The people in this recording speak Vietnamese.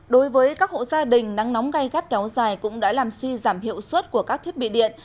đối với các hộ gia đình nắng nóng gai gắt kéo dài cũng đã làm suy giảm hiệu suất của các thiết bị điện